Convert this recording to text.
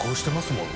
もん